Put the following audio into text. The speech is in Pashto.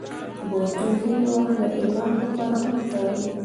بوتل ځینې وخت د اعلان لپاره هم کارېږي.